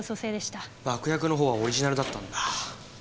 爆薬の方はオリジナルだったんだ。